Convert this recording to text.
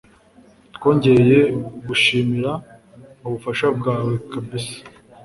Twongeye gushimira ubufasha bwawe kabisa.